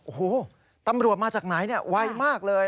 โอ้โหตำรวจมาจากไหนเนี่ยไวมากเลย